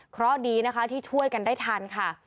เพราะดีนะคะที่ช่วยกันได้ทันค่ะ